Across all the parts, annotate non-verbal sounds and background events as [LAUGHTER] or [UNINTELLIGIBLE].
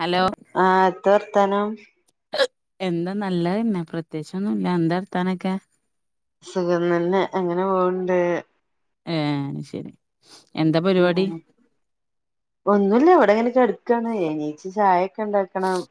Hello ആ എത്താ വർത്താനം എന്താ നല്ലതന്നെ പ്രത്യേകിച്ചൊന്നുല്ല എന്താ വാർത്തനൊക്കെ? സുഖം തന്നെ അങ്ങനെ പോവ്ണ്ട്. ഏഹ് ന്ന് ശരി എന്താ പരിപാടി ഒന്നുല്ല ഇവിടെ ഇങ്ങനെ കേടക്കാണ് എനീച്ച് ചായൊക്കെ ഉണ്ടാക്ക കണം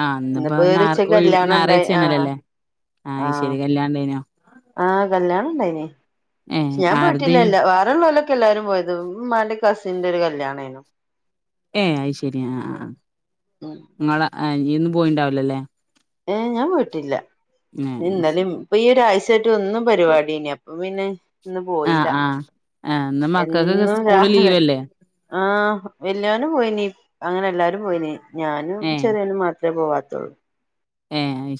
ആ ഇന്നിപ്പോ ഇന്ന്പ്പൊ ഒര് ഞാറ ഉച്ചക്ക് ഒഴിവ് കല്യാണം ഉണ്ടായി ആഹ് ഞായറാഴ്ചയാണല്ലോല്ലേ ആ ആഹ് അയ്ശരി കല്യാണണ്ടേനോ ആഹ് കല്യാണം ഉണ്ടായിനി ഏ പക്ഷെ ഞാൻ ആരതേനു പോയിട്ടില്ല വാ ഇവടെ ഇള്ളോൽ എല്ലാരും പോയത് ഉമ്മാന്റെ കസിന്റെ ഒരു കല്യാണെനു. ഏഹ് അത് ശരി ആഹ് ആഹ്. [UNINTELLIGIBLE] നിങ്ങളെ അനി പോയിണ്ടാവില്ല അല്ലേ? ഏഹ് ഞാൻ പോയിട്ടില്ല ഏ ഇന്നലിം അയ്ശരി ഇപ്പൊ ഈ ഒരാഴ്ചായിട്ട് എന്നും പരിപാടിന്നെയ ഇ പ്പ പിന്നെ ഇന്ന് ആ പോയില്ല ആ ആ ഇന്ന് മക്കക്കൊക്കെ എന്നും രാ സ്കൂള് ലീവല്ലേ ആഹ് വല്യോനും പോയിനീ അങ്ങനെ എല്ലാരും പോയിനി ഞാനും ഏ ചെറിയോനും മാ ത്രെ പോവാത്തൊള്ളൂ. ഏഹ്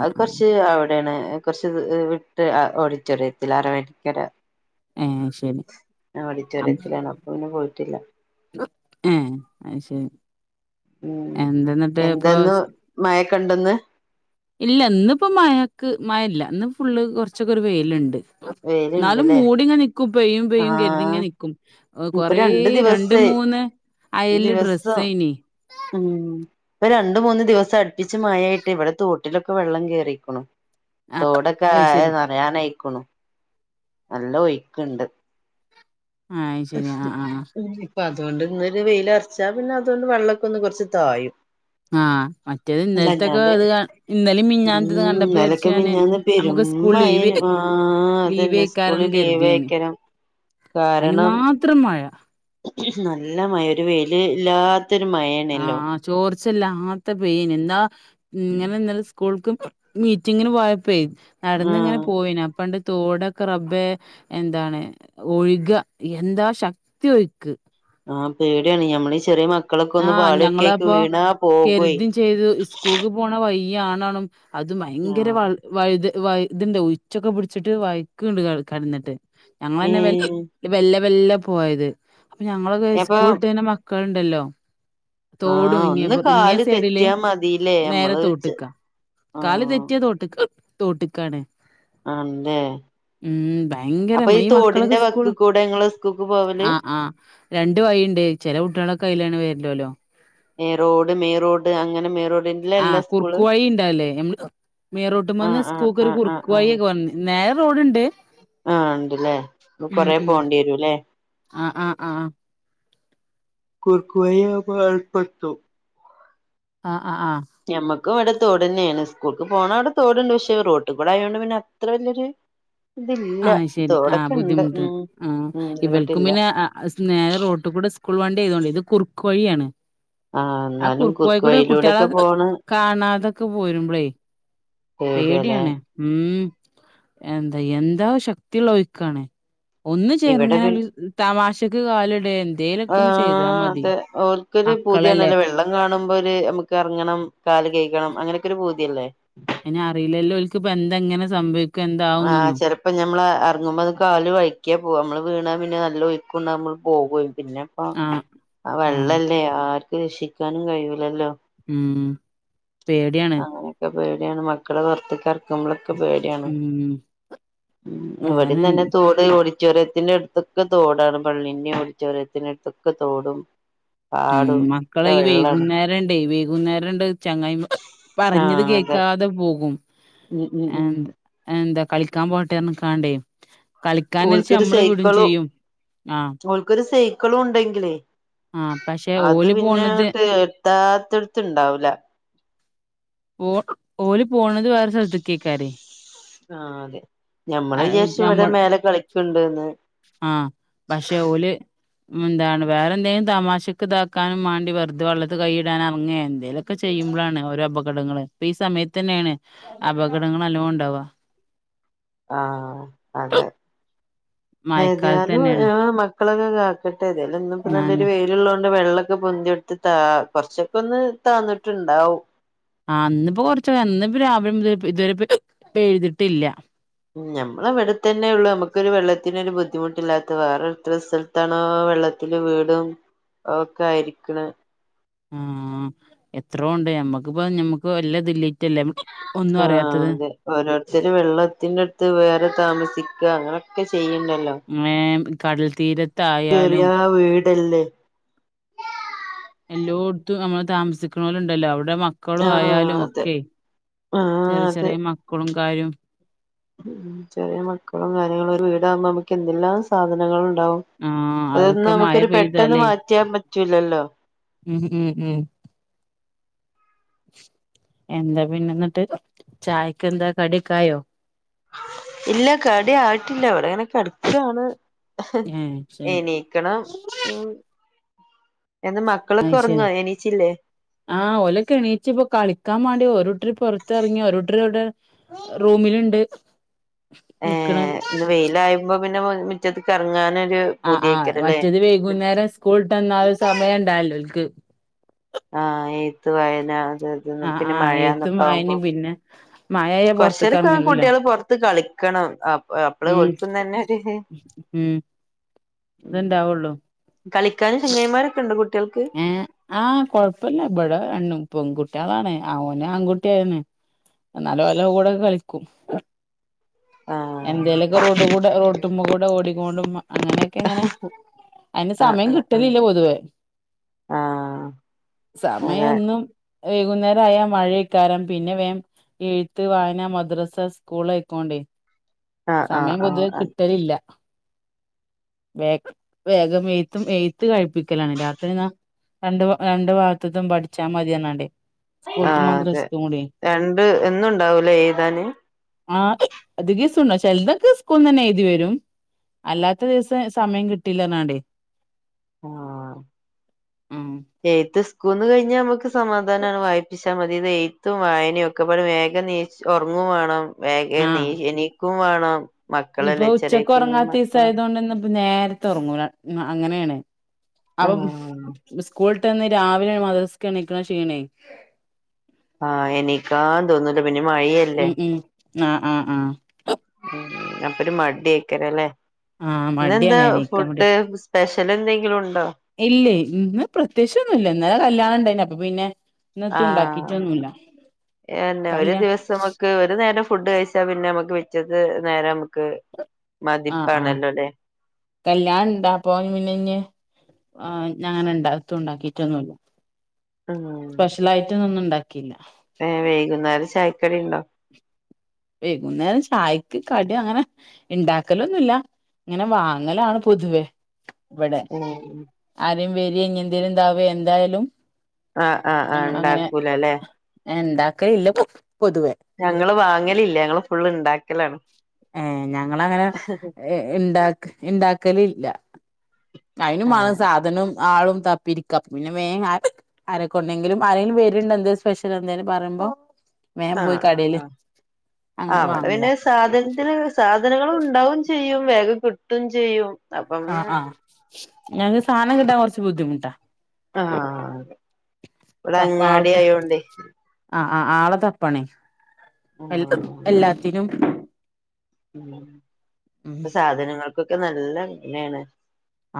അത് കൊറച്ച് അവിടെയാണ് കൊറച്ച് വിട്ട് ഓഡിറ്റോറിയത്തിൽ ആ അറവെങ്കര ഏ അയ്ശരി ആ ഓഡിറ്റോറിയത്തിലാണ് അപ്പൊ പിന്നെ പോയിട്ടില്ല. ഏഹ് അത് ശരി എന്തെന്നിട്ട് ഇപ്പൊ മഴക്കെ ഇണ്ടോ ഇന്ന്? ഇല്ല ഇന്ന് ഇപ്പോ മഴക്ക് മഴ ഇല്ല ഇന്ന് ഫുള്ള് കുറച്ചൊക്കെ ഒരു വെയിലിണ്ട്. എന്നാലും വെയിലുണ്ടല്ലേ മൂടിങ്ങ നിക്കും പെയ്യും പെയ്യും കരുതിങ്ങ ആഹ് നിക്കും. ഇപ്പൊ കൊറേ രണ്ടു രണ്ട് ദിവസായി മൂന്ന് അയല് ദിവസം ഡ്രെസ്സെയ്നി. ഉം ഇപ്പം രണ്ടും മൂന്ന് ദിവസം അടുപ്പിച്ച് മഴായിട്ട് ഇവിടെ തോട്ടിലൊക്കെ വെള്ളം കേയറിക്ക്ണു. ആഹ് തോടൊക്കെ അത് ശരി നിറയാനയിക്കണു നല്ല ഒഴക്ക്ണ്ട്. ആഹ് അത് ശരി ആഹ് ആഹ് ഇപ്പൊ അതുകൊണ്ട് ഇന്നൊരു വെയിലറച്ചാ പിന്നെ അതുകൊണ്ട് വെള്ളമൊക്കെ ഒന്ന് കൊറച്ച് തായും. ആഹ് മറ്റേത് ഇന്നലത്തൊക്കെത് ഇന്നലും മിഞ്ഞാനത്തത് ഉം കണ്ടപ്പോ വിരിച്ചു ഇന്നലൊക്കെ ഞാന് മിഞ്ഞാന്ന് പെരും നമുക്ക് സ്കൂൾ ലീവ് മഴേനു ആ അതന്നെ ലീവെക്കാരം സ്കൂള് കര്തി ഞാന് ലീവേയ്ക്കരം കാരണം അതിനുമാത്രം മഴ. നല്ല മഴ ഒരു വെയില് ഇല്ലാത്തൊരു മഴയാണല്ലോ? ചോർച്ചല്ലാത്തെ പെയിണ് എന്താ ഇങ്ങനെ സ്കൂൾക്ക് മീറ്റിങ്ങിന് പോയപ്പെ നടന്ന് ഇങ്ങനെ ആഹ് പോവെനി അപ്പണ്ട് തോടൊക്കെ റബ്ബേ എന്താണ്? ഒഴ്ക എന്താ ശക്തി ഒഴ്ക്ക്. ആഹ് പേടിയാണ് ഞമ്മള് ചെറിയ മക്കളൊക്കെ ഒന്ന് ആഹ് പാളിയോക്കി അയ്ക്ക് ഞങ്ങളപ്പോ വീണാ പോക്വേ ൾക്ക് പോണ വയ്യ് ആണാണും അത് ഭയങ്കര ആഹ് വൾ വഴുത് വ ഇതുണ്ട് ഉച്ചൊക്കെ പിടിച്ചിട്ട് വഴക്കണ്ട് കടന്നിട്ട് ഏ ഞങ്ങളെന്നെ വ വെല്ല വെല്ല പോയത് അപ്പൊ ഞങ്ങള് അപ്പൊ സ്കൂളിട്ട് വര്ണ മക്കൾണ്ടല്ലോ? ആ തോടും ഇങ്ങ ഒന്ന് ഇങ്ങേ കാല് സൈഡില് തെറ്റിയാ മതില്ലേ നേരെ നമ്മള് ചെ തോട്ട്ക്ക. കാല് ആഹ് തെറ്റിയാ തോട്ട് തോട്ടക്കാണ്. ആണ്ല്ലേ? ഉം അപ്പൊ ഭയങ്കരം ഈ മക്കളക്കെ തോടിന്റെ വക്ക് സ്കൂള് കൂടെ ഇങ്ങള് സ്കൂൾക്ക് പോവല് ആ ആ രണ്ട് വയിണ്ട് ചെല കുട്ടികളക്കെ അയിലാണ് വരലൊലൊ ഏ റോഡ് മെയി റോഡ് അങ്ങെനെ മെയി റോഡില്ലെല്ലാ സ് കുർക്കു വഴി ഇണ്ടാവുലെ [UNINTELLIGIBLE] മേയ് ആഹ് റോട്ടുമ്പേന്ന് ആഹ് സ്കൂക്കൊരു ആഹ് ആഹ് കുറുക്കു ആഹ് വയിയൊക്കെ വന്ന് നേരെ റോഡുണ്ട് ആഹ് ണ്ട്ല്ലേ [UNINTELLIGIBLE] ഉം കൊറെ ഉം പോവ്ണ്ടി വരൂല്ലേ ആഹ് ആഹ് ആഹ് കുർക്കുവയി [UNINTELLIGIBLE] ആ ആ ആ ഞമ്മക്കു ഇവ്ട തോട് തന്നേണ് സ്കൂൾക്ക് പോകണ അവിടെ തോടുണ്ട് പക്ഷെ റോട്ട്കൂടെ ആയോണ്ട് പിന്നെ അത്ര വലിയൊരു [INAUDIBLE] ആഹ് ശെരി ആഹ് തോടൊക്കെ ഉണ്ട് ബുദ്ധിമുട്ട് ഉം ആ ഉം ഇങ്ങോട്ടില്ല ഇവൽക്കുബിനെ ആ [UNINTELLIGIBLE] നേരെ റോട്ടുകൂടെ സ്കൂൾ വണ്ടി ഏയ്തോണ്ട് ഇത് കുറുക്കു വഴിയാണ് ആ ന്നാലും കുറുക്കു വഴിക്കൂടെ കുട്ടികളെ കുർക്കുവയിലൂടൊക്കെ പോണ് കാണാതൊക്കെ പോരുമ്പളേ പേടിയാല്ലേ പേടിയണേ ഉം എന്താ എന്താ ശക്തിയുള്ള ഒയ്ക്കണേ ഒന്ന് ഇവിടെ ചേറങ്ങനെ പിൻ ഒരു തമാശക്ക് കാല് ഇടണ്ട് ആ അതെ ഓർക്കൊരു മക്കളല്ലേ പൂതിയാണല്ലോ വെള്ള കാണുമ്പോരു അമ്മുക്ക് എറങ്ങ്ണം കാല് കയികണം അങ്ങനൊക്കെ ഒരു ബൂതിയല്ലേ അയിനറിയില്ലല്ലോ [UNINTELLIGIBLE] ക്കിപ്പൊ എന്താങ്ങെനെ സംഭവിക്ക് ആഹ് ചെലപ്പ് പ്പ ഞമ്മള് എറങ്ങുമ്പോ അത് കാല് കഴിക്കാ പോകാ മ്മള് വീണാ പിന്നെ നല്ല ഒയുക്കൊണ മ്മള് പോകുകയും പിന്നെ പ്പ ആഹ് ആ ആഹ് വെള്ളല്ലേ ആർക്ക് രക്ഷിക്കാനും കഴിയൂലല്ലോ ഉം പേടിയാണ് ക്ക പേടിയാണ് മക്കളെ വറത്തികെറക്കുമ്പോളൊക്കെ പേട് ഉം മ് അതാണ് ഇവിടെന്നെ തോട് ഓടിച്ചോറിയത്തിന്റെറെ അടുത്തൊക്കെ തോടാണ് പള്ളിന്റെ ഓടിച്ചൊറിയത്തിന്റെ അടുത്തൊക്കെ തോടും ഉം പാടും മക്കള ഒക്കെ ഈ വെള്ളാണ് വെയ്കുന്നേരണ്ടേയ് വെയ്കുന്നേരണ്ട് ചങ്ങായിമ പറഞ്ഞത് ആഹ് അതെ കേക്കാതെ പോകും ഉം ഉം ഉം എന്ത് എന്താ കളിക്കാൻ പോട്ടെന്ന്ക്കാണ്ടേ കളിക്കാൻന്നെച്ച നമ്മള് വിടൂം ചെയ്യും ആഹ് ഓൾക്കൊരു സൈക്കിളുണ്ടെങ്കിലേ ആഹ് പക്ഷെ അത് ഓല് പിന്നെ പോണത് [UNINTELLIGIBLE] താത്തെടുത്തുണ്ടാവൂല ഓ ഓല് പോണത് വേറെ സല്ത്ക്കേക്കാരേ ആ അതെ ഞമ്മള് വിചാര്ച്ചു ഇവിടെ മേലെ കളിക്കുണ്ട്ന്ന് ആ പക്ഷെ ഓല് മ്ന്താണ് വേറെ എന്തെങ്കിലും തമാശക്ക് ഇതാക്കാനും വാണ്ടി വെറ്തെ വെള്ളത്ത് കൈയിടാൻ അറങ്ങേ എന്തേലൊക് ക്കെ ചെയ്യുമ്പഴാണ് ഓരോ അപകടങ്ങള് പ്പൊ ഈ സമയത്തന്നേണ് അപകടങ്ങളല്ലോ ഉണ്ടാവാ ആ അതെ ഏതാലും മഴക്കാലത്തന്നേണ് ആ മക് ക്കളൊക്കെ കേകട്ടെന്നെ അല്ല ഇന്ന്പ്പ ആന്നെ നല്ലരു വെയിലിള്ളോണ്ട് വെള്ള കെ പൊന്തിയെടുത്ത് താ കുറച്ചൊക്കെ ഒന്ന് താന്നിട്ടുണ്ടാവും ആ അന്നിപ്പോ കൊറച്ച [UNINTELLIGIBLE] ന്നിപ്പ രാവിലെമുതല് പ് ഇതുവരെ പെയ്തിട്ടില്ല ഉം ഞമ്മളെവിടെത്തന്നെ ഉള്ളൂ അമ്മുക്കൊരു വെള്ളത്തിനൊരു ബുദ്ധിമുട്ടില്ലാത്ത വേറൊരുത്ര സ്ഥലത് ത്തണ വെള്ളത്തില് വീടും ഒക്കെ ആയിരിക്കണ് ഊം എത്രോണ്ട് അമ്മക്കിപ്പ ഞമ്മക്ക് വല്ല ഇതില്ലറ്റ്ല്ലേ ആഹ് അതെ ഓരോരുത്തരു വെള്ളത്തിന്റെടുത്ത് വേറെ താമസിക്കാ അങ്ങനൊക്കെ ചെയ്യണ്ടല്ലോ മ്മേ കടൽ തീരത്തായാലും കേറിയാ വീടല്ലേ എല്ലോട്ത്തും അമ്മള് താമസിക്ക്ണ പോലെണ്ടല്ലോ അവിടെ മ ക്കളു ആഹ് അതെ ആയാലുമൊക്കെ ആഹ് ചെറിയ അതെ ചെറിയ മക്കൊളും കാര്യോം ഉം ചെറിയ മക്കളും കാര്യങ്ങളും ഒരു വീടാകുമ്പോ അമ്മക്ക് എന്തെല്ലാം സാധനങ്ങള് ഇണ്ടാവും ആഹ് അതൊന്നും അതൊക്കെ മഴ നമുക്കരു പെട്ടെന്ന് പെയ്താലേ മാറ്റിയാൻ പറ്റൂലല്ലോ ഉം ഉം ഉം എന്താ പിന്നെ ഇന്നട്ട് ചായക്ക് എന്താ കടിക്കായോ? ഇല്ല കടി ആയിട്ടില്ല ഇവിടെങ്ങനെ കേട്ക്കാണ് ഏഹ് ശരി എനി ക്കണം ഉം ഇന്ന് മക്കളൊക്കെ അയ് ശരി ഒറങ്ങ എനീച്ചില്ലേ? ആഹ് ഒലെക്കെ എണീറ്റ് ഇപ്പൊ കളിക്കാൻ വേണ്ടി ഓരുട്ടര് പോർത്തറങ്ങി ഓരുട്ടര് ഇവിടെ ഇ റൂമില്ണ്ട് നിക്ണ് ഏഹ് ഇന്ന് വെയിലായപ്പോ പിന്നെ മിറ്റത്ത്ക്ക് ഇറങ്ങാനൊരു ആഹ് ആഹ് മറ്റേത് വൈകുന്നേരം സ്കൂൾട്ടന്ന ഒരു സമയം ഇണ്ടല്ണ്ടോ ഓൽക്ക് ആഹ് എഴ്ത്ത് വായന അത് ഇത് ആഹ് പിന്നെ ആഹ് എഴുത്തും മഴന്നൊക്കെ ആകുമ്പോ വായനിം പിന്നെ മഴായാ കൊർചേരക്കെ പൊറത്ത്ക്കെറങ്ങലൂല്ല കുട്ടികള് പോർത്ത് കളിക്കണം അപളാ ഉം ഓൽക്കും തന്നെ ഇത് ണ്ടാവുള്ളൂ കളിക്കാനും ചങ്ങയ്ന്മാരൊക്കെണ്ട് കുട്ടി ഏഹ് ആഹ് കൊഴപ്പല്ല ഇവിടെ എണ് പെൺകുട്ട്യാളാണ് ഓന് ആൺകുട്ടിയായിന്ന് എന്നാലും ഓലെ കൂടെക്കെ കളിക്കും ആഹ് എന്തേലൊക്കെ റോട്ട് കൂടെ റോട്ടുമ്മ കൂടെ ഓടിക്കൊണ്ടും അങ്ങനെ ക്കെ ഇങ്ങനെ അതിന് ആഹ് സമയം ആഹ് കിട്ടലില്ല പൊതുവേ ആഹ് ആഹ് അതെ സമയെന്നും വൈകുന്നേരായ മഴെക്കാരം പിന്നെ വേം എഴ്ത്ത്, വായനാ, മദ്രസ, സ്കൂള്, ആയ്ക്കോണ്ടേ ആഹ് ആഹ് സമയം ആഹ് പൊതുവെ ആഹ് കിട്ടലില്ല വേഗം വേഗം എഴ്ത്തും എഴുത്ത് കഴിപ്പിക്കലാണ് രാത്രി എന്നാ രണ്ട് രണ്ടു ഭാഗത്ത്ത്തും പഠിച്ചാ മതി പർഞണ്ടേ ആഹ് അതെ രണ്ട് എന്നും ഇണ്ടാവൂലേ എഴ്താന് ആഹ് അതികിസും ചേൽതൊക്കെ സ്കൂൾ ന്നന്നെ എഴുതി വെരും അല്ലാത്ത ദിവസം സമയം കിട്ടില്ല പർഞ്ഞാണ്ടെ ഉം എയ്ത്ത് സ്കൂൾന്ന് കഴിഞ്ഞാ നമ്മക്ക് സമാധാനാണ് വായ്പിച്ചാ മത് എഴുത്തും വായനൊക്കെ പാടെ വേഗം നീച് ഒർങ്ങും വാണം വേഗം നീ എണീ കും വാണം ഇഞ്പ്പോ ഉച്ചക്ക് ഒറങ്ങാതീസായതോണ്ട് ന്നെ ഇപ്പ നേരത്തെ ഒറങ്ങും ര അങ്ങനെണ് അപ്പം ആഹ് സ്കൾട്ടെന്ന് രാവിലെ മദ്റസക്ക് എണിക്ണ ക്ഷീണേ ആഹ് എണീക്കാ തോന്നുല പിന്നെ മഴല്ലേ ഉം ഉം ആഹ് ആഹ് ആഹ് അപ്പ ഒരു മടിയ്ക്കാരം അല്ലേ ആഹ് ഇന്നെന്താ മടിയാണ് എണീക്കാൻ മടി ഫുഡ് സ്പെഷ്യല് എന്തെങ്കിലും ഉണ്ടോ? ഇല്ലേ ഇന്ന് പ്രത്യേകിച്ചൊന്നുല്ല ഇന്നലെ കല്യാണം ഇണ്ടായിനി അപ്പൊ പിന്നെ ഇന്നെത്തും ആഹ് ഉണ്ടാക്കിട്ടൊന്നുല്ല എന്നെ ഒരു കല്യാ ദിവസം മ ഒരു നേരം ഫുഡ് കഴിച്ചാ പിന്നെ നമ്മക്ക് പിറ്റേന്ന് നേരം ക്ക് ആഹ് ആഹ് മതിപ്പാണല്ലോ ലെ കല്യാണം ഇണ്ടാ [UNINTELLIGIBLE] ആഹ് ഞാം അങ്ങനെ എത്തും ണ്ടാക്കിട്ടൊന്നു സ്പെഷ്യലായിട്ടൊന്നൊന്നും ഇണ്ടാക്കിയില്ല ഏഹ് വൈകുന്നേരം ചായക്കടി ഇണ്ടോ? വൈകുന്നേരം ചായക്ക് കടി അങ്ങനെ ഇണ്ടാക്കലോന്നുല്ല ഇങ്ങനെ വാങ്ങലാണ് പൊതുവേ ഇവടെ ഏ ആരേം വെരെ ഇഞ് എന്തേലും താവെ എന്തയാലും ആഹ് ആഹ് ആഹ് ഞങ്ങളങ്ങനെ ഉണ്ടാക്കൂല അല്ലെ ഇണ്ടാക്കലില്ല പൊ പൊതുവേ ഞങ്ങള് വാങ്ങലില്ല ഞങ്ങള് ഫുള്ള് ഇണ്ടാക്കലാണ് ഏഹ് ഞങ്ങളങ്ങനെ ഇണ്ട ഇണ്ടാക്കലില്ല അതിനുമാണം ആഹ് സാധനം ആളും തപ്പിരിക്ക അപ്പൊ പിന്നെ വേം ആരെക്കോണ്ടെങ്കിലും ആരെങ്കിലും വെരണ്ട് എന്തേലും സ്പെഷ്യൽ എന്തേലും പറിമ്പോ വേം പോയി ആഹ് ആഹ് കടയില് ആഹ് അങ്ങനെ അവിടെ വാങ്ങല പിന്നെ സാധനത്തിന് സാധനങ്ങള് ഉണ്ടാവും ചെയ്യും വേഗം കിട്ടും ചെയ്യും അപ്പൊ ആഹ് പിന്നെ ആഹ് ഞങ്ങക്ക് സാനം കിട്ടാൻ കൊറച്ച് ബുദ്ധിമുട്ടാ ആഹ് ഇവിടെ തപ്പ അങ്ങാടി ആൾക്ക ആയോണ്ടേ ആഹ് ആഹ് ആളെ തപ്പണേയ് എ ആഹ് എല്ലാത്തിനും ഉം ഉം പ്പോ സാധനങ്ങൾക്കൊക്കെ നല്ല വെലെണ്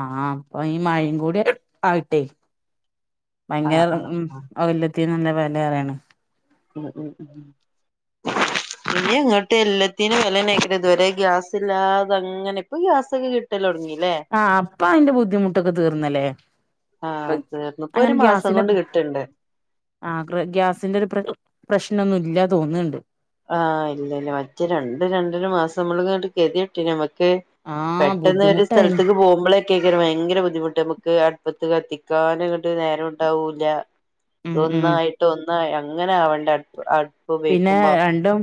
ആഹ് പ്പൊ ഈ മഴയും കൂടി ആയട്ടെ ആഹ് ഭയങ്കര ആഹ് ഉം ആഹ് എല്ലത്തീനും നല്ല വെലിം ഏറെണ് ഉം ഉം ഉം ഇനി അങ്ങോട്ട് എല്ലാത്തിനും വിലനക്ക ഇതുവരെ ഗ്യാസ് ഇല്ലാതെ അങ്ങനെ ഇപ്പൊ ഗ്യാസൊക്കെ കിട്ടല് തൊടങ്ങി ആഹ് ഇപ്പ അയിന്റെ ബുദ്ധിമുട്ടൊക്കെ തീർന്നല്ലേ ഇപ്പൊ ആഹ് തീർന്നു പ്പോ ഒരു അങ്ങനെ മാസം ഗ്യാസിന്റെ കൊണ്ട് കിട്ട് ണ്ട് ആഹ് ഗിർ ഗ്യാസിന്റെ ഒരു പ്ര പ്രശ്നൊന്നും ഇല്ല തോന്നണ്ട് ആഹ് ഇല്ല ഇല്ല മറ്റേ രണ്ട് രണ്ടര മാസം മ്മളങ്ങാട്ട് ഗതികെട്ടിനു നമ്മക്ക് ആഹ് പെട്ടെന്ന് ഒരു ബുദ്ധിമുട്ടായിന് സ്ഥലത്തേക്ക് പോകുമ്പളേ ക്കെ ഭയങ്കര ബുദ്ധിമുട്ട് നമുക്ക് അടുപ്പത്ത് കത്തിക്കാനും അങ്ങട്ട് നേരം ഉണ്ടാവൂല്ല ഉം ഉം ഒന്നായിട്ട് ഒന്നായി അങ്ങനെ അവണ്ടെ അടുപ്പ് പിന്നെ ഉപയോഗിക്കുമ്പോ രണ്ടും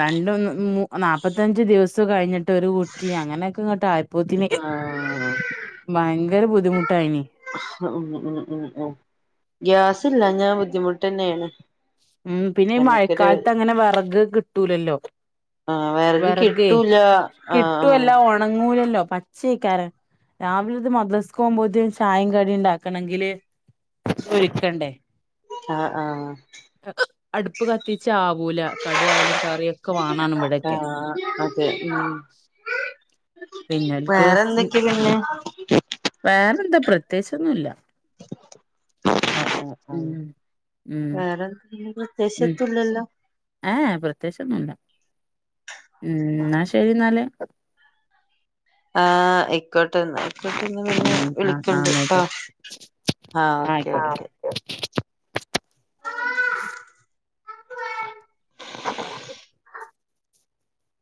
രണ്ടും മൂ നാപ്പത്തഞ്ച് ദിവസം കഴിഞ്ഞിട്ട് ഒരു കുറ്റി അങ്ങനെക്കെങ്ങട്ട് ആയപോത്തിന് ആഹ് ഭയങ്കര ബുദ്ധിമുട്ടായിന് ഉം ഉം ഉം ഉം ഗ്യാസില്ലഞ്ഞാ ബുദ്ധിമുട്ടെനെണ് ഉം പിന്നെ ഈ മഴക്കാലത്ത് അങ്ങനെ വെറക് കിട്ടൂലല്ലോ ആഹ് വിറക് കിട്ടൂല ആഹ് ആഹ് ന്നങ്ങൂലല്ലോ പച്ചയക്കാരം രാവില ത് മദ്രസക്ക് പോമ്പോത്തിന് ചായയും കടി ണ്ടാക്കണങ്കില് ഒര്ക്കണ്ടേ ആഹ് ആഹ് അടുപ്പ് കത്തിച്ച് ആവൂല കടി ആയാലും കറിയൊക്കെ വാണാണുംബടെ ആഹ് അതെ ഉം പിന്നെൽക്ക് വേറൊന്തൊക്കെ പിന്നെ വേറെന്താ പ്രതേച്ചോന്നുല്ല ഉം ഉം വേറെ ഉം പ്രത്യേയ്ച്ചോത്തുല്ലല്ലോ ഏഹ് എ പ്രതേച് ഒന്നുല്ല ഉം എന്ന ആഹ് ശരി ന്നാല് അഹ് ആയിക്കോട്ടെ ന്ന പിന്നെ ഉം ആഹ് ആഹ് വിളിക്കൊണ്ട് എന്നായിക്കോട്ടെ ആഹ ആഹ് ഓക്കേ ആയിക്കോട്ടെ ഓക്കേ